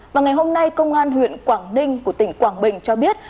và ngày hôm nay công an huyện quảng ninh của tỉnh quảng bình cho biết